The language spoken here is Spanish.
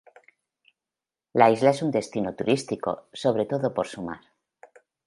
La isla es un destino turístico sobre todo por su mar.